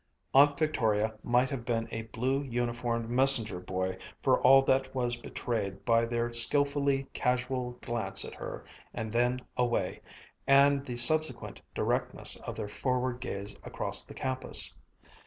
Aunt Victoria might have been a blue uniformed messenger boy for all that was betrayed by their skilfully casual glance at her and then away, and the subsequent directness of their forward gaze across the campus.